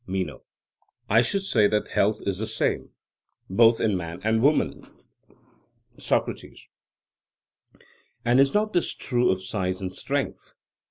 MENO: I should say that health is the same, both in man and woman. SOCRATES: And is not this true of size and strength?